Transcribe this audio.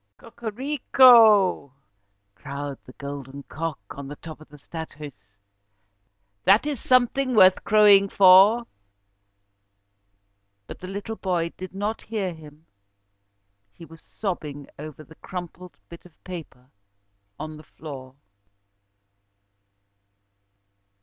"Cocorico!" crowed the golden cock on the top of the 'Stadhuis'. "That is something worth crowing for." But the little boy did not hear him, he was sobbing over the crumpled bit of paper on the floor.